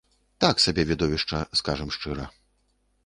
Так сабе відовішча, скажам шчыра.